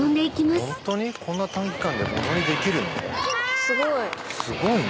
すごいね。